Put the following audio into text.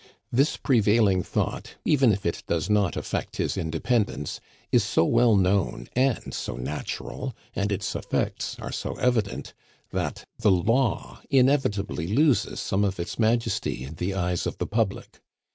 This prevailing thought, even if it does not affect his independence, is so well known and so natural, and its effects are so evident, that the law inevitably loses some of its majesty in the eyes of the public.